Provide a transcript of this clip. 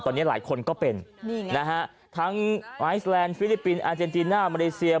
ตอนนี้หลายคนก็เป็นนะฮะทั้งไอซแลนดฟิลิปปินส์อาเจนติน่ามาเลเซีย